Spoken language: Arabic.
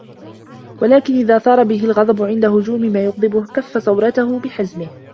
وَلَكِنْ إذَا ثَارَ بِهِ الْغَضَبُ عِنْدَ هُجُومِ مَا يُغْضِبُهُ كَفَّ سَوْرَتَهُ بِحَزْمِهِ